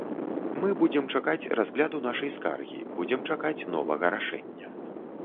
Мы будзем чакаць разгляду нашай скаргі, будзем чакаць новага рашэння.